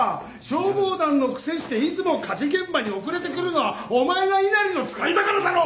消防団のくせしていつも火事現場に遅れて来るのはお前が稲荷の遣いだからだろ！